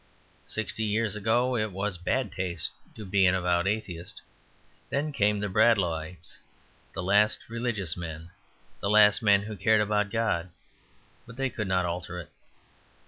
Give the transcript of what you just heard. Sixty years ago it was bad taste to be an avowed atheist. Then came the Bradlaughites, the last religious men, the last men who cared about God; but they could not alter it.